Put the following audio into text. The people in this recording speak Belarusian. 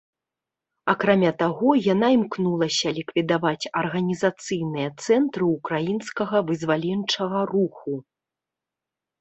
Акрамя таго, яна імкнулася ліквідаваць арганізацыйныя цэнтры ўкраінскага вызваленчага руху.